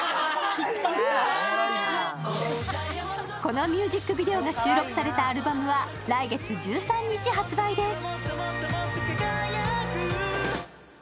このミュージックビデオが収録されたアルバムは来月１３日発売です。